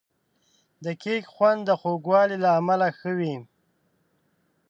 د کیک خوند د خوږوالي له امله ښه وي.